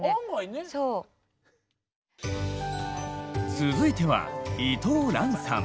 続いては伊藤蘭さん。